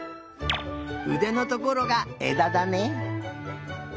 うでのところがえだだね。